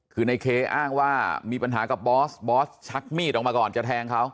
คือในเคอ้างว่ามีปัญหากับบอสบอสชักมีดออกมาก่อนจะแทงเขา